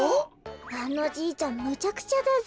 あのじいちゃんむちゃくちゃだぜ。